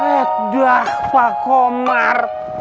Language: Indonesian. aduh pak omar